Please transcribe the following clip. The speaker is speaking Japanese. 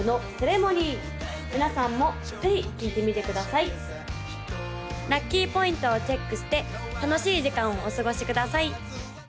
皆さんもぜひ聴いてみてください・ラッキーポイントをチェックして楽しい時間をお過ごしください！